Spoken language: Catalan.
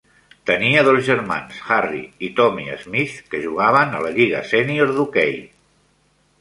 Tenia dos germans, Harry y Tommy Smith, que jugaven a la lliga sènior d'hoquei.